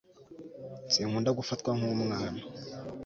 sinkunda gufatwa nkumwana